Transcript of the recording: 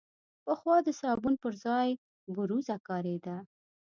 پخوا د صابون پر ځای بوروزه کارېده.